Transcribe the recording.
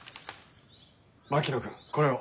槙野君これを。